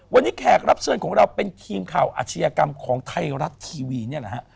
วันนี้แขกรับเชิญของเราเป็นทีมข่าวอาชญากรรมของไทยรัฐทีวีนี่แหละฮะ